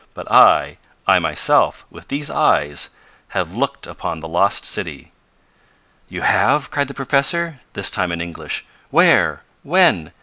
But I I myself with these eyes, have looked upon the lost city." "You have!" cried the professor, this time in English. "Where? When?